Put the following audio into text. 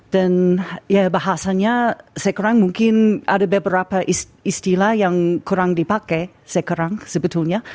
dan bahasanya sekarang mungkin ada beberapa istilah yang kurang dipakai sekarang sebetulnya